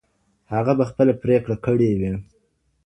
هغه به خپله پرېکړه کړې وي.